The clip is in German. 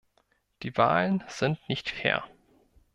Die Wahlen sind nicht fair.